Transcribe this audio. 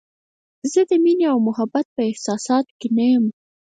زه د مینې او محبت په احساساتو کې نه یم.